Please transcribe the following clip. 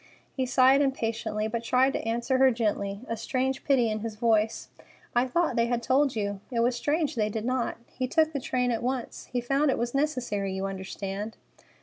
He sighed impatiently, but tried to answer her gently, a strange pity in his voice: "I thought they had told you. It was strange they did not. He took the train at once. He found it was necessary, you understand."